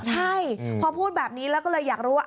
ใช่พอพูดแบบนี้แล้วก็เลยอยากรู้ว่า